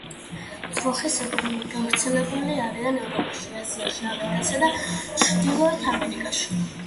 ძროხისებრნი გავრცელებული არიან ევროპაში, აზიაში, აფრიკასა და ჩრდილოეთ ამერიკაში.